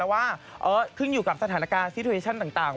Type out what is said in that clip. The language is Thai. แล้วว่าคืออยู่กับสถานการณ์สิทวิชันต่าง